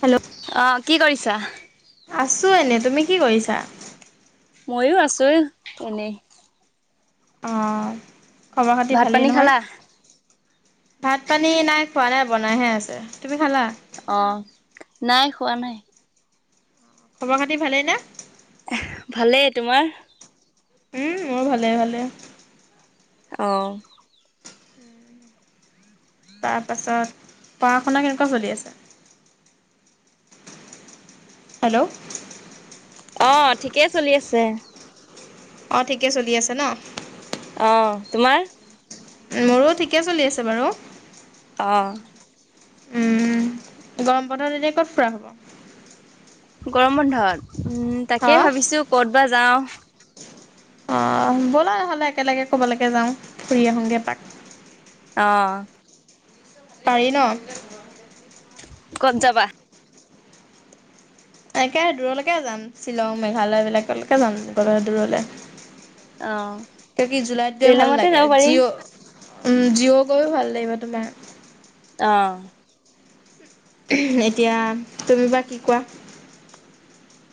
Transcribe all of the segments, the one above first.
Hello অ' কি কৰিছা আছোঁ এনেই তুমি কি কৰিছা ময়ো আছো এনেই আহ খবৰ খাতি ভাত ভালেই পানী নহয় খালা? ভাত পানী নাই খোৱা নাই বনাইহে আছে তুমি খালা অ নাই খোৱা নাই খবৰ খাতি ভালেই না ভালেই তোমাৰ উম মোৰ ভালে ভালে অহ তাৰপাছত পঢ়া শুনা কেনেকুৱা চলি আছে হেল্ল' অহ ঠিকেই চলি আছে অ ঠিকে চলি আছে ন অঁ তোমাৰ মোৰো ঠিকে চলি আছে বাৰু। অঁ। উম গৰম বতৰ এতিয়া ক'ত ফুৰা হ'ব? গৰম বন্ধত। উম হা তাকেই ভাবিছো ক'ত বা যাওঁ। আহ ব'লাহ'লে একেলগে ক'বালৈকে যাওঁ ফুৰি আহোঁগৈ এপাক। আহ। পাৰি ন? কত যাবা? একে দূৰলৈকে যাম শ্বিলং মেঘালয় বিলাকলৈকে যাম গলে দূৰলে। অ' তো কি জুলাইত গৈ ভাল শ্বিলঙতে লাগে যাব পাৰি। জিঅ' উম জিঅ' গৈও ভাল লাগিব তোমাৰ। আহ এতিয়া তুমি বা কি কোৱা?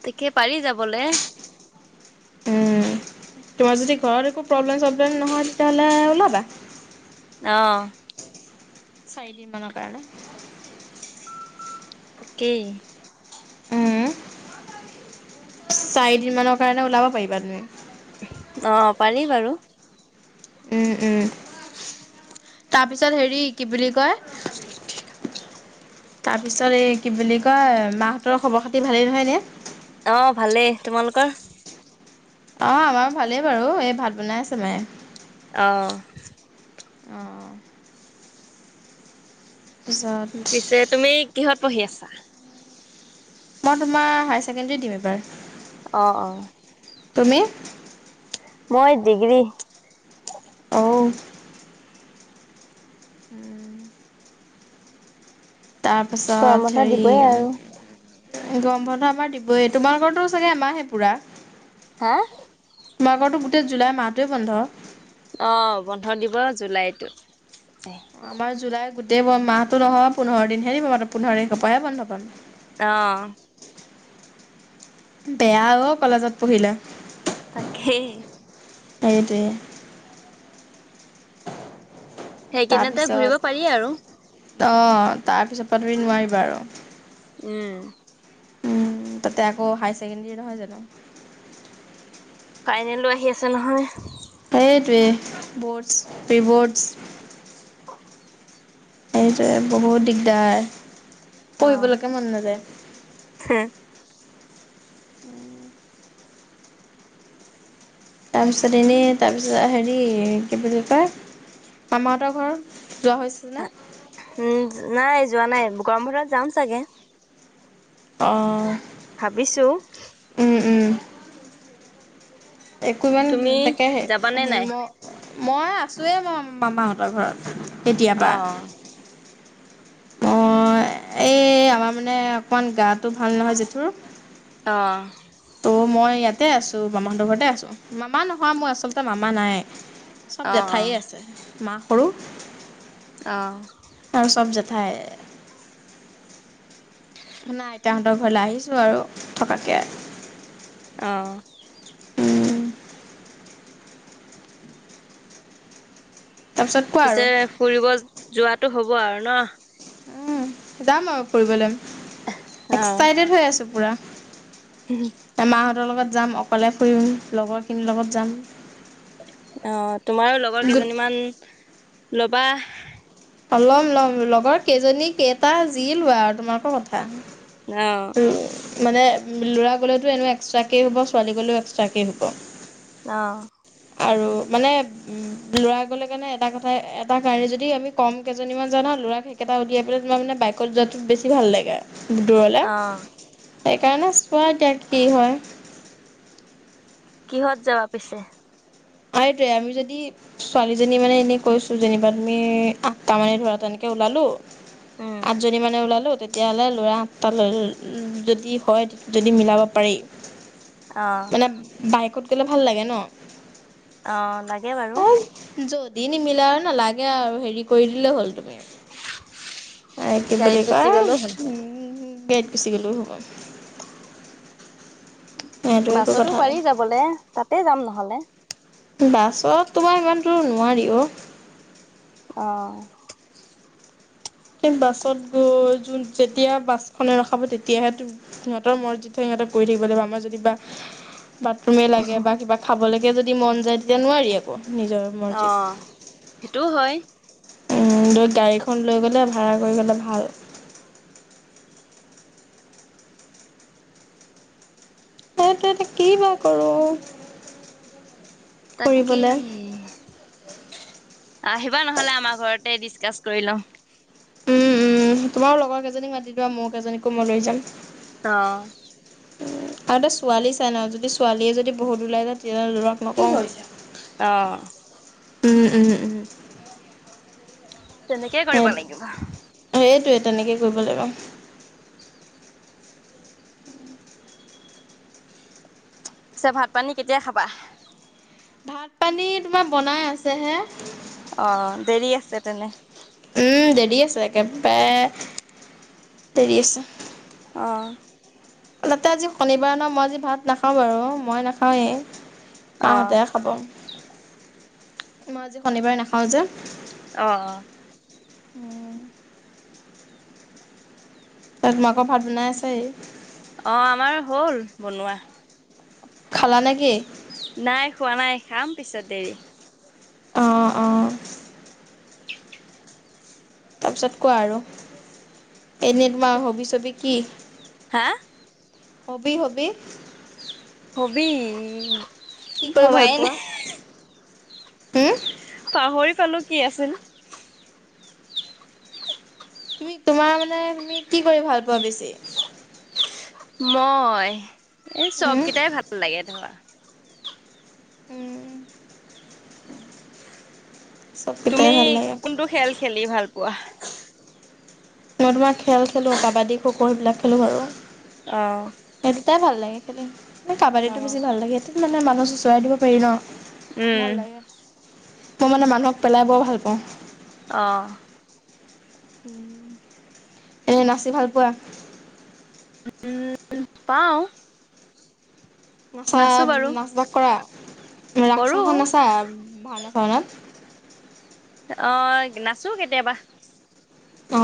তেখে পাৰি যাবলে। উ তোমাৰ যদি ঘৰত একো প্ৰব্লেম চব্লেম নহয় তেতিয়াহ'লে ওলাবা। অঁ। চাৰিদিন মানৰ কাৰণে। তাকেই। উম। চাৰিদিন মানৰ কাৰণে ওলাব পাৰিবা তুমি। অ পাৰি বাৰু। উম উম তাৰপিছত হেৰি কি বুলি কয়। [unintelligible] তাৰ পিছত এই কি বুলি কয় মাহঁতৰ খবৰ খাতি ভালেই নহয়নে। অ ভালেই। তোমালোকৰ? অ আমাৰ ভালেই বাৰু এই ভাত বনাই আছে মায়ে। অঁ। অঁ। তাৰপিছত পিছে তুমি কিহত পঢ়ি আছা? মই তোমাৰ হায়াৰ ছেকেণ্ডাৰী দিম এবাৰ। অ অ তুমি? মই দিগ্ৰী। অ'। হম্। গৰম তাৰপাছত বন্ধ হেৰি। দিবই আৰু গম বন্ধ আমাৰ দিবই তোমালোকৰতো চাগে এমাহে পোৰা। হা তোমাৰ বাৰুটো গোটেই জুলাই মাহটোৱে বন্ধ। অ বন্ধ দিব জুলাইতো। আমাৰ জুলাই গোটেই মাহটো নহয় পোন্ধৰ দিন হেৰি মাত্ৰ পোন্ধৰ তাৰিখৰ পৰাহে বন্ধ পাম। আহ। বেয়া অ কলেজত পঢ়িলে। তাকে। সেইটোৱে। সেইকেইদতে তাৰপিছত ঘুৰিব পাৰি আৰু। অঁ, তাৰ পিছত প তমি নোৱাৰিবা আৰু। উম। উম, তাতে আকৌ হাইাৰ ছেকেণ্ডৰী নহয় জানো। ফাইনেলো আহি আছে নহয়। হেতু'এ পে বৰ্ডছ পেব'ৰ্ডছ। সেইটোৱে বহুত দিগদাৰ। অ' পঢ়িবলৈকে মন নাযায়। উম। তাৰপিছত এনেই তাৰপিছত হেৰি কি বুলি কয়, মামাহঁতৰ ঘৰ যোৱা হৈছে নে? উম নাই। যোৱা নাই, গৰম বন্ধ যাম চাগে। অঁ। ভাবিছো। ওম, ওম। একোমান তুমি তাকেহে যাবানে নাই মই আছোৱে, মই মামাহঁতৰ ঘৰত। কেতিয়াবা অ' অঁ এই আমাৰ মানে অকণমান গাটো ভাল নহয় জেঠুৰ অঁ। অঁ, মই ইয়াতে আছোঁ মামাহঁতৰ ঘৰতে আছোঁ, মামা নহয়, মই আচলতে মামা নাই। চব অ' অ' জেঠাই আছে, মাহ কৰো। অ'। আৰু চব জেঠাই। নাই আইতাহঁতৰ ঘৰলৈ আহিছোঁ আৰু থকাকে। অ' উম। তাৰপিছত কোৱা আৰু পিছে ফুৰিব যোৱাটো হ'ব হব আৰু ন উম। যাম আৰু ফুৰিবলৈ, এক্সাইটেড হৈ আছোঁ। খোৰা হম। তহঁতৰ লগত যাম অকলে ফুৰিম, লগৰখিনিৰ লগত যাম। অঁ তোমাৰো লগৰ গোট কেইজনীমান ল'বা। ল'ম ল'ম লগৰ কেইজনী কেইটা, যি লোৱা আৰু, তোমালোকৰ কথা। অ' উম, মানে ল'ৰা গ'লেতো এনেও এক্সট্ৰাকৈেই হ'ব, ছোৱালী গ'লেও এক্সট্ৰাকৈেই হ'ব। আহ আৰু মানে ল'ৰা গ'লে কাৰণে এটা কথা এটা কাৰণে যদি আমি কম কেইজনীমান যাও ন ল'ৰাক সেইকেইটা উলিয়াই পেলাই তোমাৰ মানে বাইকত যোৱাটো বেছি ভাল লাগে। দূৰলে অ' সেইকাৰণে চোৱা এতিয়া কি হয় কিহত যাবা পিছে? হয় যে আমি যদি ছোৱালীজনী মানে এনে কৈছো যেনিবা তুমি আঠটা মানে ধৰা তেনেকে ওলালো উম, আঠজনী মানে ওলালো তেতিয়াহ'লে ল'ৰা সাতটালৈ যদি হয় যদি মিলাব পাৰি। অ', মানে বাইকত থাকিলে ভাল লাগে ন? অ লাগে বাৰু যদি নিমিলা আৰু নালাগে আৰু হেৰি কৰি দিলে হ'ল তুমি আৰু কি গাড়ীত বুলি গুচি কয় গ'লো হ'ল। গাড়ীত গুচি গ'লও হ'ব সেইটো একো বাছতো কথা পাৰি নাই যাবলৈ তাতে যাম নহলে। বাছত তোমাৰ ইমান দূৰ নোৱাৰি অ অঁ স বাছত গৈ য যেতিয়া বাছখনে ৰখাব তেতিয়াহে সিহঁতৰ মৰজিদ সিহঁত কৰি থাকিব লাগিব আমাৰ যদি বাথৰুমে লাগে বা কিবা খাব লাগিব তেতিয়া যদি মন যায় তেতিয়া নোৱাৰি আক। অ সেইটোও হয়। লৈ গাড়ীখন লৈ গ'লে ভাড়া কৰি গ'লে ভাল। সেইটোৱেই তো কি বা কৰো তাকেই আহিবা নহলে আমাৰ ঘৰত। ডিচকাচ কৰি লওঁ উম উম তোমাৰো লগৰ কেইজনীক মাতিবা, মোৰ কেইজনীকো মই লৈ যাম। অঁ আৰু ত ছোৱালী চাই ন যদি ছোৱালীয়ে যদি বহুত ওলাই যায় তেতিয়াহলে লৰাক নকওঁ। অঁ উম উম উম তেনেকেই কৰিব সেই লাগিব। সেইটোৱে তেনেকে কৰিব লাগিব পিছে ভাত পানী কেতিয়া খাবা? ভাত পানী তোমাৰ বনাই আছে হে অ দেৰি আছে তেনে উম দেৰি আছে একেবাৰে দেৰি আছে। অঁ তাতে আজি শনিবাৰ ন মই আজি ভাত নাখাওঁ বাৰু মই নাখাওঁৱেই। অ'। মাহঁতে খাব। মই আজি শনিবাৰে নাখাও যে অহ অহ উম ত তোমাকৰ ভাত বনাই আছেই অ আমাৰ হ'ল বনোৱা। খালা নেকি? নাই খোৱা নাই খাম পিছত দেৰি, অঁ অঁ তাৰপিছত কোৱা আৰু এনেই তোমাৰ হবি ছবি কি? হা? Hobby hobby? হবি কি কৰি ভাল ভোবাইল পোৱা হুম পাহৰি পালো কি আছিল। তুমি তোমাৰ মানে তুমি কি কৰি ভাল পোৱা বেছি? মই এই চব উম কেইটাই ভাল লাগে ধৰা। উম তুমি চবকেইটাই ভাল লাগে কোনটো খেল খেলি ভাল- পোৱা? মই তোমাৰ খেল খেলোঁ কাবাডী খ খ' সেইবিলাক খেলোঁ বাৰু। অহ টাই ভাল লাগে খালি। কাবাডীটো অহ বেছি ভাল লাগেই। মে মানুহ চোচৰাই দিব পাৰি ন? উম ভাল লাগে। মই মানে মানুহক পেলাই বৰ ভাল পাওঁ। অহ। এনে নাচি ভাল পোৱা। উম পাওঁ। নাচা নাচো বাৰু নাচ বাস কৰা? উ [unintelligible] ৰা্স কৰো সাখন নাছা? ভাওনাা চাওনাত অ নাচো কেতিয়াবা অ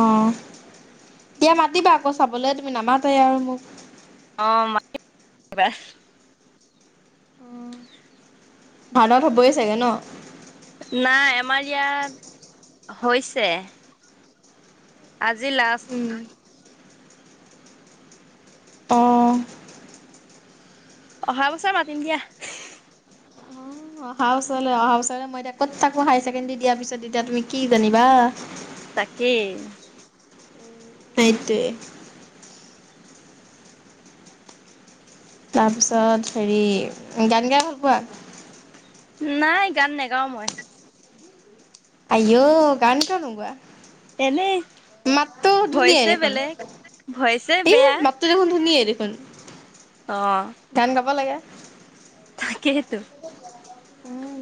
দিয়া মাতিবা আকৌ চাবলৈ তুমি নামাতে আৰু মোক। অ মাতিম এইবাৰ ভাওনত হ'বই চাগে ন? নাই আমাৰ ইয়াত হৈছে। আজি লাষ্ট অঁ অহা বছৰ মাতিম দিয়া। অহা বছৰলৈ, অহা বছৰলৈ মই এতিয়া ক'ত থাকো হায়াৰ ছেকেণ্ডেৰী দিয়াৰ পিছত তেতিয়া তুমি কি জানিবা। তাকেই। সেইটোৱে। তাৰপিছত হেৰি, গান গাই ভাল পোৱা? নাই, গান নোগাওঁ মই। আয়', গান কিয় নোগোৱা? এনেই মাতটো ধুনীয়াাই ভইচে দেখোন। বেলেগ ভইচে এই বেয়া মাতটো দেখোন ধুনীয়াই দেখো পল অহ গান গাব লাগে। তাকে, টো উম।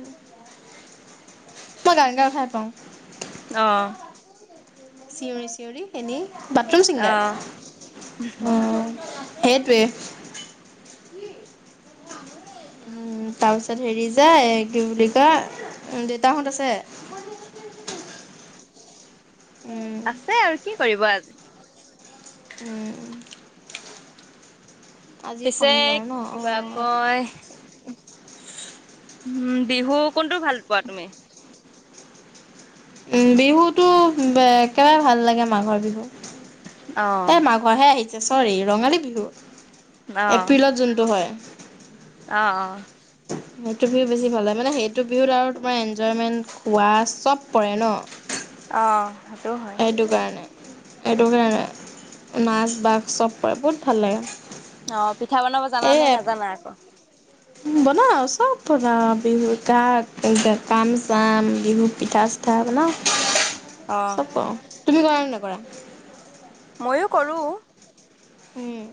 মই গান গাই ভাল পাওঁ। আহ। চিঞৰি চিঞৰি, এনেই। Bathroom singer. অ। সেইটোৱে। উম, তাৰপিছত হেৰি যায় কি বুলি কয়, দেউতাহঁত আছে? আছে আৰু। কি কৰিব আ উম। আজি পিছে শনিবাৰ ন। কিবা কয় অ এ উম বিহু কোনটো ভাল পোৱা তুমি? উম বিহুটো, একেবাৰে ভাল লাগে মাঘৰ বিহু। এ অ', মাঘৰহে আহি এতিয়া। চ'ৰি, ৰঙালী বিহু। এপ্ৰিলত যোনটো হয়। আহ আহ। সেইটো বিহু বেছি ভাল হয়। মানে সেইটো বিহুত আৰু তোমাৰ এনজয়মেন্ট, খোৱা চব পৰে ন। অ। সেইটো হয়। সেইটো কাৰণে। সেইটো কাৰণে। নাচ বাগ চব কৰে, বহুত ভাল লাগে। অ, পিঠা বনাব জানা এই নে নাজানা আকৌ। বনাওঁ, চব বনাওঁ, বিহু কা, কি বুলি কয়, কাম চাম, বিহু পিঠা চিঠা, বনাওঁ। অ', চব পাৰোঁ। তুমি কৰা নে নকৰা? ময়ো কৰোঁ। হম।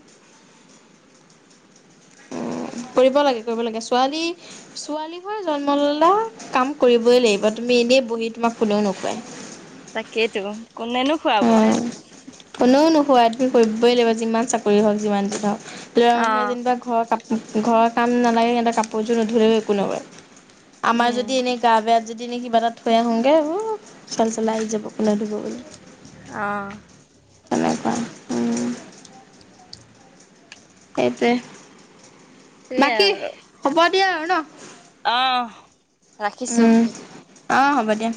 কৰিব লাগে কৰিব লাগে। ছোৱালী, ছোৱালী হৈ জন্ম ললা কাম কৰিবই লাগিব। তুমি এনেই বহি তোমাক কোনেও নোখোৱাই। তাকেইটো, কোনেনো খুৱাব। আমি কৰিবই লাগিব যিমান চাকৰি হওক যিমান যি নহওঁক। ল'ৰা মানুহে অ', যেনিবা ঘৰ কাপ ঘৰৰ কাম নালাগে সেহতে কাপোৰযোৰ নুধুলেও একো নকয়। আমাৰ উম, যদি এনে গা বেয়া যদি ইনে কিবা এটা থৈ আহোঁগৈ ওঁ, চল চলাই আহি যাব কোনে ধুব বুলি। অঁ। তেনেকুৱা, উম্। সেইটোয়ে। বাকী, হ'ব দিয়া আৰু ন অঁ, ৰাখিছোঁ। অঁ, হ'ব দিয়া।